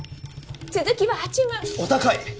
続きは８万お高い！